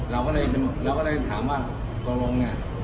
เราก็ได้ถามว่าตัวลง